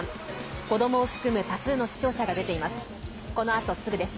子どもを含む多数の死傷者が出ています。